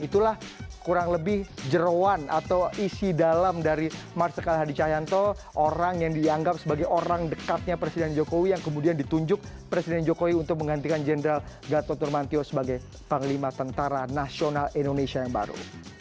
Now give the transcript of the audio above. itulah kurang lebih jerawan atau isi dalam dari marsikal hadi cahyanto orang yang dianggap sebagai orang dekatnya presiden jokowi yang kemudian ditunjuk presiden jokowi untuk menggantikan jenderal gatot nurmantio sebagai panglima tentara nasional indonesia yang baru